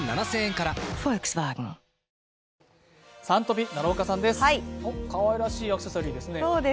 かわいらしいアクセサリーですね。